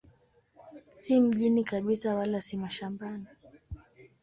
Si mjini kabisa wala si mashambani.